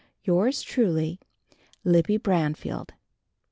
Yours truly, Libby Branfield."